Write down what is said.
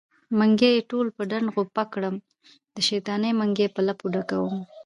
منګي يې ټول په ډنډ غوپه کړم د شيطانۍ منګی په لپو ډکوينه